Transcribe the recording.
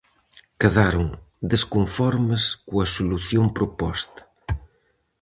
Quedaron desconformes coa solución proposta.